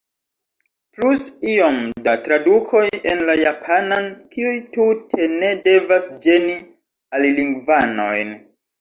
Plus iom da tradukoj en la japanan, kiuj tute ne devas ĝeni alilingvanojn.